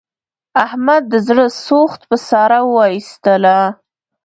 احمد د زړه سوخت په ساره و ایستلا.